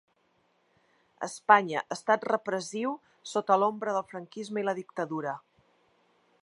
Espanya, estat repressiu sota l’ombra del franquisme i la dictadura.